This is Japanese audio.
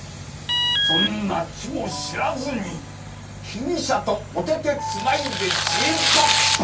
そんな気も知らずに被疑者とおてて繋いでチーパッパ。